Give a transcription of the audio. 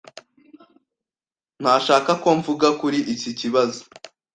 Ntashaka ko mvuga kuri iki kibazo.